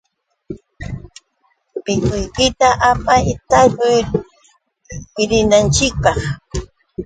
Pikuykita hapiy, tarpuq rinanchikpaq.